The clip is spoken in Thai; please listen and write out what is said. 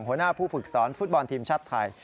หัวหน้าผู้ฝึกสอนฟุตบอลทีมชาติไทย